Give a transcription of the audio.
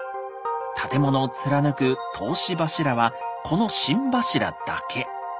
建物を貫く通し柱はこの心柱だけ。